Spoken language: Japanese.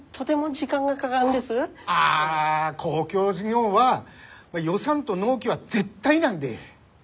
ああ公共事業は予算と納期は絶対なんで。